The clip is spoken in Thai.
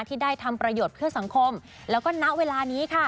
ที่ได้ทำประโยชน์เพื่อสังคมแล้วก็ณเวลานี้ค่ะ